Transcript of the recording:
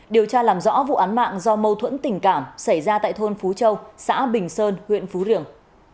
điều tra làm rõ vụ án mạng do mâu thuẫn tình cảm xảy ra tại thôn phú châu xã bình sơn huyện phú riềng